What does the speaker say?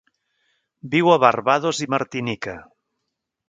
Viu a Barbados i Martinica.